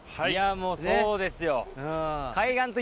もうそうですよ。